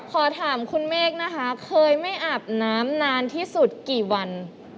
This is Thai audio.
ขอถามคุณเมฆนะคะเคยไม่อาบน้ำนานที่สุดกี่วัน